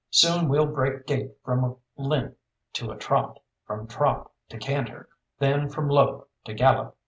Soon we'll break gait from a limp to a trot, from trot to canter, then from lope to gallop.